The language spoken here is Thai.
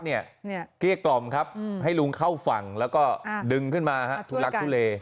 เกลี้ยกล่อมครับให้ลุงเข้าฝั่งแล้วก็ดึงขึ้นมาทุลักทุเล